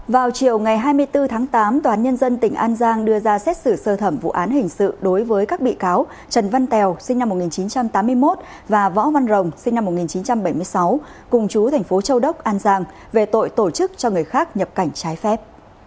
vào chiều ngày hai mươi bốn tháng tám tòa án nhân dân tỉnh an giang đưa ra xét xử sơ thẩm vụ án hình sự đối với các bị cáo trần văn tèo sinh năm một nghìn chín trăm tám mươi một và võ văn rồng sinh năm một nghìn chín trăm bảy mươi sáu cùng chú thành phố châu đốc an giang về tội tổ chức cho người khác nhập cảnh trái phép